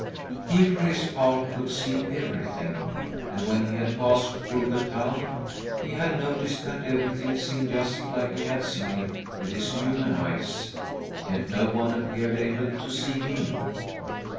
He, for his part, could see everything, and, when he had passed through the town, he had noticed that everything seemed just like he had seen it with his human eyes— yet no one appeared able to see him.